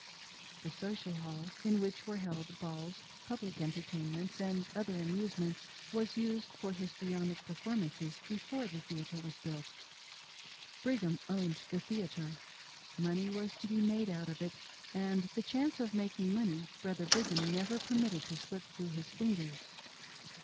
The Social Hall, in which were held balls, public entertainments, and other amusements, was used for his trionic performances before the theatre was built. Brigham owned the theatre. Money was to be made out of it ; and the chance of making money Brother Brigham never per mitted to slip through his fingers.